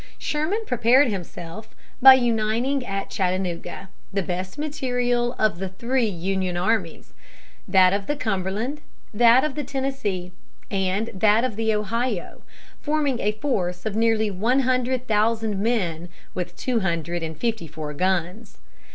Sherman prepared himself by uniting at Chattanooga the best material of the three Union armies, that of the Cumberland, that of the Tennessee, and that of the Ohio, forming a force of nearly one hundred thousand men with two hundred and fifty four guns.